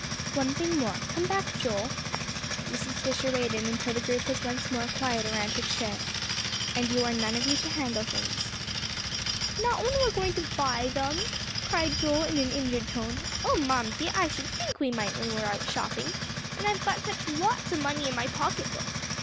"One thing more. Come back, Joel." Mrs. Fisher waited until the group was once more quiet around her chair. "And you are none of you to handle things." "Not when we are going to buy them?" cried Joel, in an injured tone. "Oh, Mamsie, I sh'd think we might when we are out shopping. And I've got such lots of money in my pocket book."